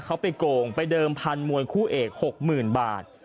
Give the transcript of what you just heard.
เขาไปโกงไปเดิมพันธมวยคู่เอก๖๐๐๐บาท